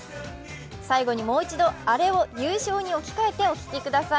最後にもう一度、アレを優勝に置き換えてお聞きください。